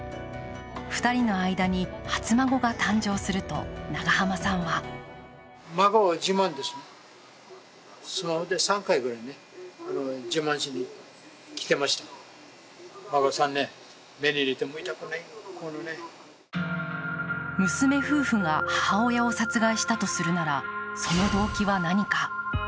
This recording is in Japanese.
２人の間に初孫が誕生すると長濱さんは娘夫婦が母親を殺害したとするなら、その動機は何か。